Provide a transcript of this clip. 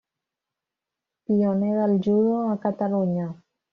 Pioner del judo a Catalunya.